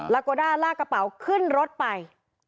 โกด้าลากกระเป๋าขึ้นรถไป